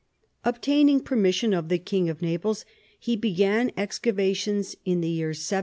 Obtaining permission of the King of Naples, he began excavations in the year 1748.